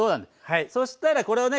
そしたらこれをね